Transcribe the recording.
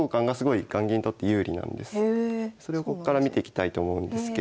それをこっから見ていきたいと思うんですけど。